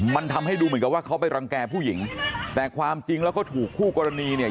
มันทำให้ดูเหมือนกับว่าเขาไปรังแก่ผู้หญิงแต่ความจริงแล้วก็ถูกคู่กรณีเนี่ย